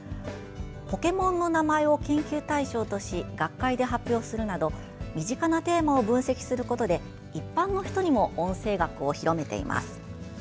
ポケモンの名前を研究対象とし学会で発表するなど身近なテーマを分析することで一般の人にも音声学を広めています。